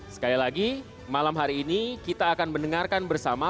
sekali lagi malam hari ini kita akan mendengarkan bersama